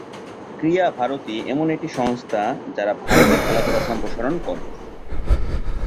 ক্রীড়া ভারতী এমন একটি সংস্থা যারা ভারতে খেলাধুলা সম্প্রসারণ করে।